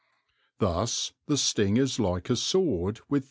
Thus the sting is like a sword with